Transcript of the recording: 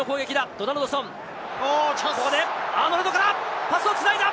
ドナルドソン、アーノルドからパスを繋いだ！